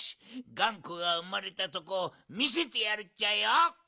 がんこがうまれたとこをみせてやるっちゃよ！